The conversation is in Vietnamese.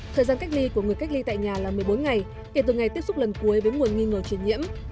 thời gian cách ly của người cách ly tại nhà là một mươi bốn ngày kể từ ngày tiếp xúc lần cuối với nguồn nghi ngờ truyền nhiễm